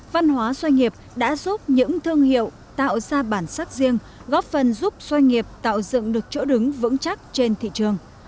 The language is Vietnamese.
văn hóa doanh nghiệp đã giúp những thương hiệu tạo ra bản sắc riêng góp phần giúp doanh nghiệp tạo dựng được chỗ đứng vững chắc trên thị trường